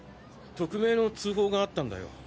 匿名の通報があったんだよ。